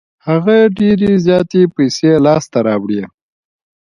هغه ډېرې زياتې پیسې لاس ته راوړې.